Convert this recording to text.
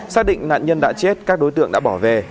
xác định nạn nhân đã chết các đối tượng đã bỏ về